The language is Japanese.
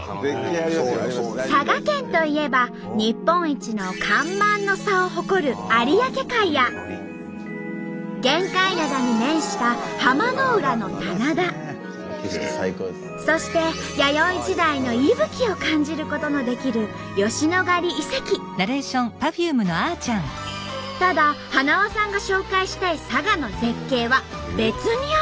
佐賀県といえば日本一の干満の差を誇る玄界灘に面したそして弥生時代の息吹を感じることのできるただはなわさんが紹介したい佐賀の絶景は別にあるんです。